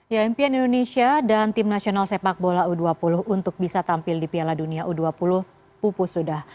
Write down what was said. ya impian indonesia dan tim nasional sepak bola u dua puluh untuk bisa tampil di piala dunia u dua puluh pupus sudah